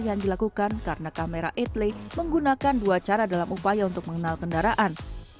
yang dilakukan karena kamera etley menggunakan dua cara dalam upaya untuk mengenal kendaraan